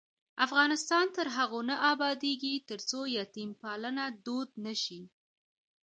افغانستان تر هغو نه ابادیږي، ترڅو یتیم پالنه دود نشي.